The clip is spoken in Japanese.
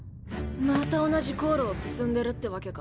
また同じ航路を進んでるってわけか。